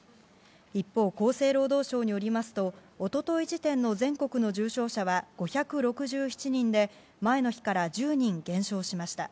一方、厚生労働省によりますと一昨日時点の全国の重症者は５６７人で前の日から１０人減少しました。